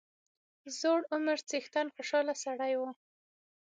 زوړ عمر څښتن خوشاله سړی وو.